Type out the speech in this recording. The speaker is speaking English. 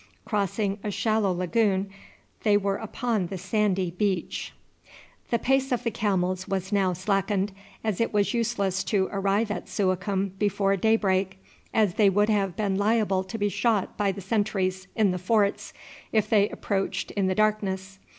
Crossing a shallow lagoon they were upon the sandy beach. The pace of the camels was now slackened, as it was useless to arrive at Suakim before daybreak, as they would have been liable to be shot by the sentries in the forts if they approached in the darkness.